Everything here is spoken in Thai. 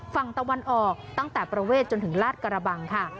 ฝั่งตะวันออกตั้งแต่ประเวทจนถึงลาดกระบังค่ะ